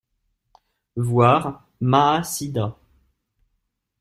Voir Mahāssidha.